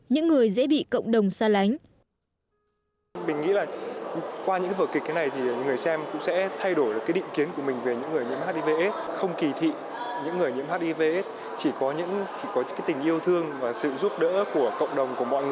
những người dễ bị cộng đồng hiv cao